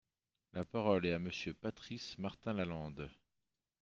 La parole est à Monsieur Patrice Martin-Lalande.